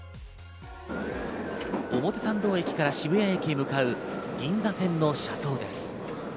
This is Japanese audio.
表参道駅から渋谷駅へ向かう銀座線の車窓です。